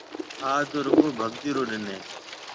آج تو رُگو ڀگتِي رو ڏن هيَ۔